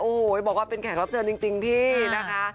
โอ้โหบอกว่าเป็นแขกรับเชิญจริงพี่นะคะ